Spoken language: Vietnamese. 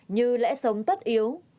như lẽ sống tất yếu